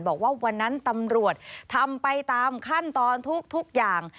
บอกว่าวันนั้นตำรวจทำไปตามขั้นตอนทุกอย่าง